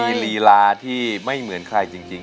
มีลีลาที่ไม่เหมือนใครจริง